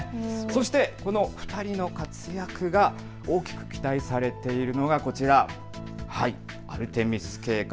この２人の活躍が大きく期待されているのがこちら、アルテミス計画。